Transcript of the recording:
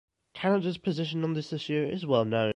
Canada's position on this issue is well known.